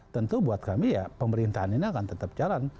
tentu buat kami ya pemerintahan ini akan tetap jalan